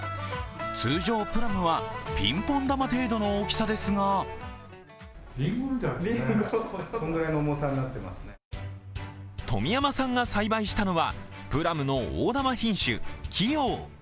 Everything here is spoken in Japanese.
通常、プラムはピンポン玉程度の大きさですが富山さんが栽培したのはプラムの大玉品種、貴陽。